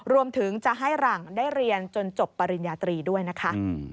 รวมถึงจะให้หลังได้เรียนจนจบปริญญาตรีด้วยนะคะ